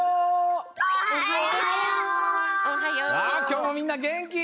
きょうもみんなげんき！